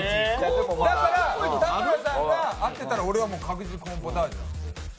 だから田村さんが開けたら俺は確実にコーンポタージュ。